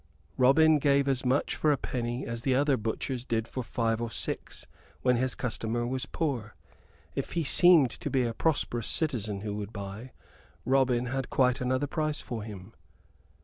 Robin gave as much for a penny as the other butchers did for five or six when his customer was poor. If he seemed to be a prosperous citizen who would buy, Robin had quite another price for him.